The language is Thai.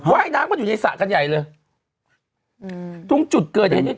ว่ายน้ำมันอยู่ในสระกันใหญ่เลยทุกจุดเกิดอย่างนี้